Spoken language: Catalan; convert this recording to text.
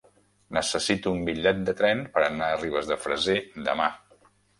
Necessito un bitllet de tren per anar a Ribes de Freser demà.